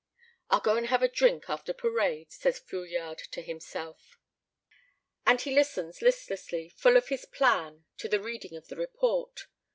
"I'll go and have a drink after parade," says Fouillade to himself. And he listens listlessly, full of his plan, to the reading of the report.